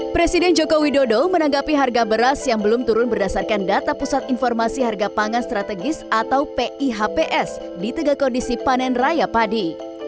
presiden joko widodo menanggapi harga beras yang belum turun berdasarkan data pusat informasi harga pangan strategis atau pihps di tengah kondisi panen raya padi